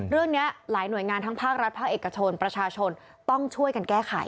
เรื่องนี้หลายหน่วยงานทั้งภาครัฐภาคเอกชนประชาชนต้องช่วยกันแก้ไข